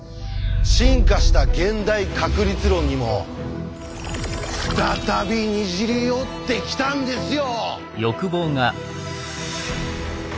進化した現代確率論にも再びにじり寄ってきたんですよ！